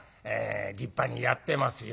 立派にやってますよ」。